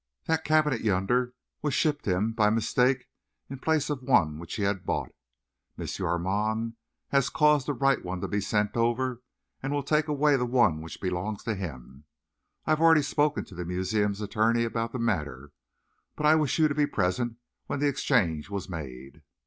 That cabinet yonder was shipped him by mistake in place of one which he had bought. M. Armand has caused the right one to be sent over, and will take away the one which belongs to him. I have already spoken to the museum's attorney about the matter, but I wished you to be present when the exchange was made."